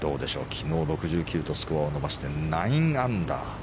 昨日６９とスコアを伸ばして９アンダー。